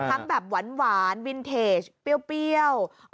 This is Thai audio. ทั้งแบบหวานวินเทจเปรี้ยว